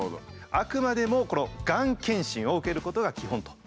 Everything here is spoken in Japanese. あくまでもこのがん検診を受けることが基本と。